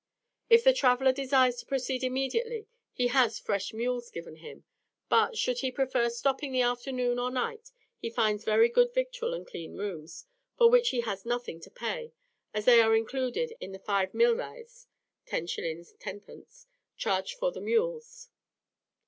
If the traveller desires to proceed immediately he has fresh mules given him, but, should he prefer stopping the afternoon or night, he finds very good victual and clean rooms, for which he has nothing to pay, as they are included in the five milreis (10s. 10d.), charged for the mules.